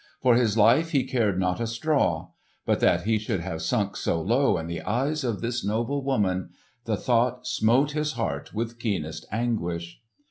For his life he cared not a straw. But that he should have sunk so low in the eyes of this noble woman—the thought smote his heart with keenest anguish!